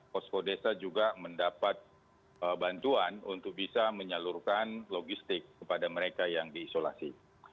posko desa juga mendapat bantuan untuk bisa menyalurkan logistik kepada mereka yang diisolasi